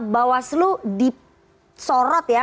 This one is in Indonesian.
bawaslu disorot ya